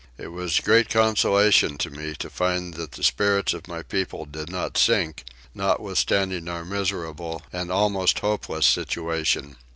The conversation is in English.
It was great consolation to me to find that the spirits of my people did not sink, notwithstanding our miserable and almost hopeless situation.